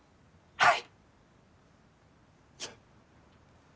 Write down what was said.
はい！